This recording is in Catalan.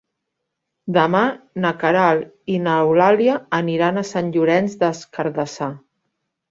Demà na Queralt i n'Eulàlia aniran a Sant Llorenç des Cardassar.